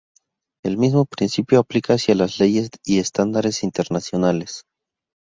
El mismo principio aplica hacia las leyes y estándares internacionales.